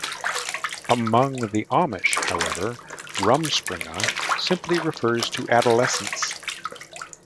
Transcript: Among the Amish, however, "rumspringa" simply refers to adolescence.